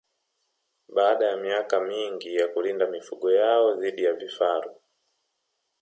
Baada ya miaka mingi ya kulinda mifugo yao dhidi ya vifaru